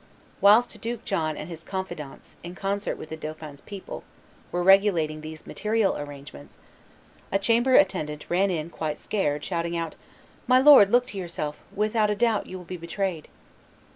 Whilst Duke John and his confidants, in concert with the dauphin's people, were regulating these material arrangements, a chamber attendant ran in quite scared, shouting out, "My lord, look to yourself; without a doubt you will be betrayed."